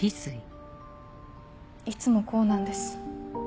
いつもこうなんです。